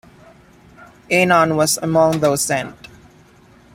Eynon was among those sent.